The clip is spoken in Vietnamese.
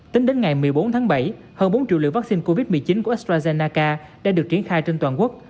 tính đến ngày một mươi bốn tháng bảy hơn bốn triệu lượng vaccine covid một mươi chín của astrazennaca đã được triển khai trên toàn quốc